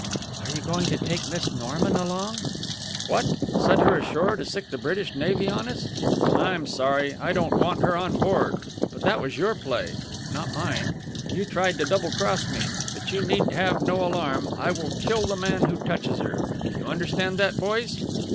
"Are you going to take Miss Norman along?" "What, set her ashore to sic the British Navy on us? I'm sorry. I don't want her on board; but that was your play, not mine. You tried to double cross me. But you need have no alarm. I will kill the man who touches her. You understand that, boys?"